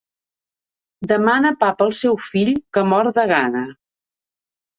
Demana pa pel seu fill, que mor de gana.